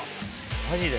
マジで？